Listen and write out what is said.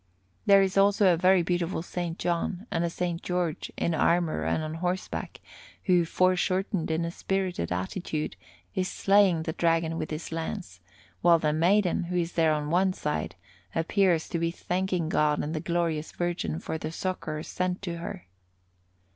There is also a very beautiful S. John, and a S. George in armour and on horseback, who, foreshortened in a spirited attitude, is slaying the Dragon with his lance; while the Maiden, who is there on one side, appears to be thanking God and the glorious Virgin for the succour sent to her.